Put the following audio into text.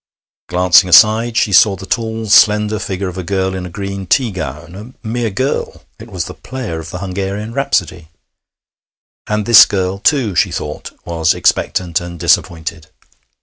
Glancing aside, she saw the tall slender figure of a girl in a green tea gown a mere girl: it was the player of the Hungarian Rhapsody. And this girl, too, she thought, was expectant and disappointed!